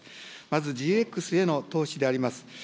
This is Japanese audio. まずＧＸへの投資であります。